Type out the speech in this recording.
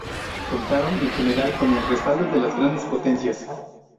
Contaron en general con el respaldo de las grandes potencias.